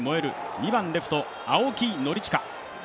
２番レフト・青木宣親。